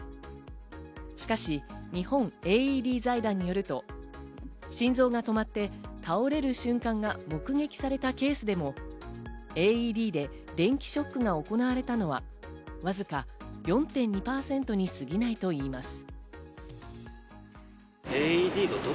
しかし、日本ＡＥＤ財団によると、心臓が止まって倒れる瞬間が目撃されたケースでもＡＥＤで電気ショックが行われたのはわずか４．２％に過ぎないといいます。